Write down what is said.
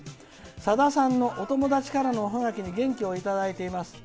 さださんのお友達からのおハガキに元気をいただいています。